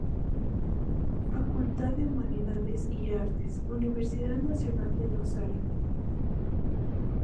Facultad de Humanidades y Artes, Universidad Nacional de Rosario.